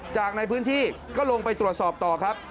จากในพื้นที่ก็ลงไปตรวจสอบต่อครับ